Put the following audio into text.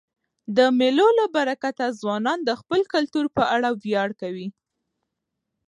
د مېلو له برکته ځوانان د خپل کلتور په اړه ویاړ کوي.